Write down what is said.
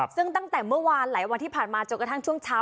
ซึ่งตั้งแต่เมื่อวานหลายวันที่ผ่านมาจนกระทั่งช่วงเช้า